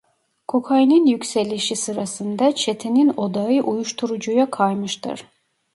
Kokainin yükselişi sırasında çetenin odağı uyuşturucuya kaymıştır.